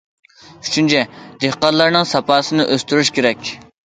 ئۈچىنچى، دېھقانلارنىڭ ساپاسىنى ئۆستۈرۈش كېرەك.